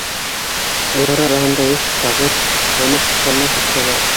Улар араһында йәш шағир Алмас Шаммасов та бар.